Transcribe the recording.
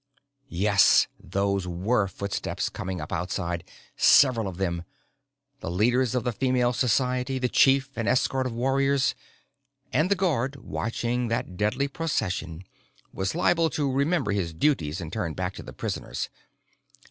Yes. Those were footsteps coming up outside. Several of them. The leaders of the Female Society, the chief, an escort of warriors. And the guard, watching that deadly procession, was liable to remember his duties and turn back to the prisoners.